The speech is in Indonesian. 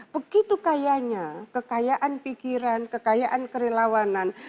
begitu kayanya kekayaan pikiran kekayaan kerelawanan